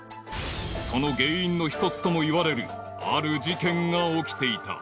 ［その原因の一つともいわれるある事件が起きていた］